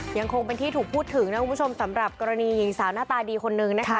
ยังคงเป็นที่ถูกพูดถึงนะคุณผู้ชมสำหรับกรณีหญิงสาวหน้าตาดีคนนึงนะคะ